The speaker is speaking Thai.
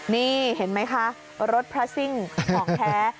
นี่เห็นไหมคะรถพลาสติ้งของแท้